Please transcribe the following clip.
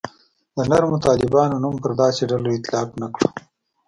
د نرمو طالبانو نوم پر داسې ډلو اطلاق نه کړو.